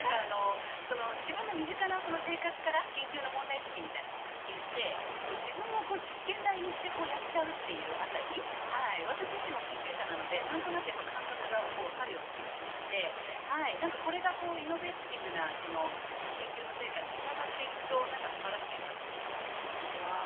自分の身近なところから研究対象を発見して、自分を実験台にしてやっちゃうという辺り私自身も研究者なのでなんとなく感覚がわかる気がしましてこれがイノベーティブな研究の成果につながっていくと素晴らしいなと思いますけどね。